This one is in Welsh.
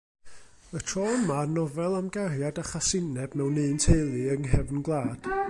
Y tro yma, nofel am gariad a chasineb mewn un teulu yng nghefn gwlad.